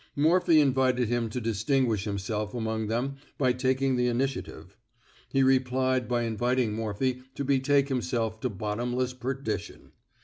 Morphy invited him to distinguish him self among them by taking the initiative. He replied by inviting Morphy to betake him self to bottomless perdition.